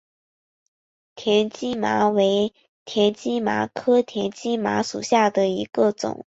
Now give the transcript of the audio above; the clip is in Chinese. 田基麻为田基麻科田基麻属下的一个种。